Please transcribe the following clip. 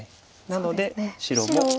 なので白も。